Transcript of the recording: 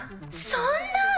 そんなぁ。